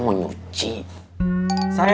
saya mah nyuci dua kali sehari doi